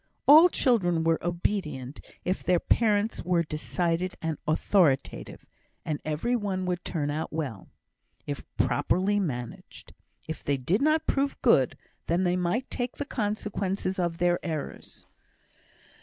All children were obedient, if their parents were decided and authoritative; and every one would turn out well, if properly managed. If they did not prove good, they must take the consequences of their errors.